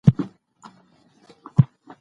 ديني عالمان د خلکو لپاره د ښو کارونو لارښوونه کوي.